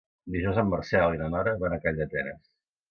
Dijous en Marcel i na Nora van a Calldetenes.